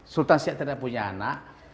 sultan yang tidak punya anak